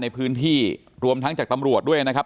ในพื้นที่รวมทั้งจากตำรวจด้วยนะครับ